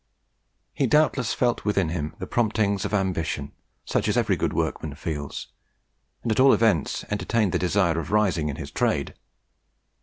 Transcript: He doubtless felt within him the promptings of ambition, such as every good workman feels, and at all events entertained the desire of rising in his trade.